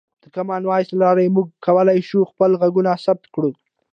د کامن وایس له لارې موږ کولی شو خپل غږونه ثبت کړو.